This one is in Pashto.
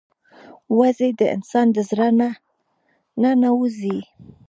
وزې د انسان د زړه نه نه وځي